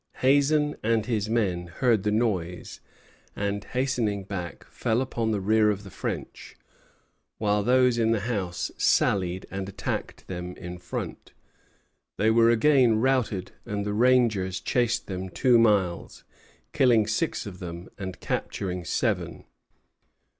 Hazen and his men heard the noise; and, hastening back, fell upon the rear of the French, while those in the house sallied and attacked them in front. They were again routed; and the rangers chased them two miles, killing six of them and capturing seven.